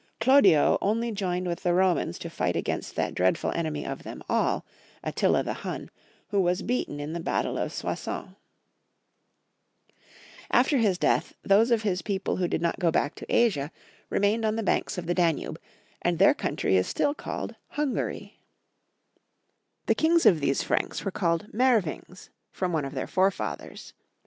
Chlodio only joined with the Romans to fight against that dreadful enemy of them all, Attila the Him, who was beaten in the battle of Soissons. After his death, those of his people who 47 48 Young Folks^ History of Qermany. did not go back to Asia remained on the banks of the Danube, and their country is still called Hun gaxy The kings of these Franks were called Meer wings, from one of their forefathers.